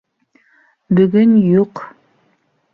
Бөгөн юҡ